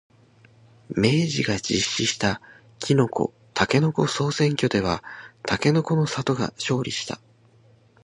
明治が実施したきのこ、たけのこ総選挙ではたけのこの里が勝利した。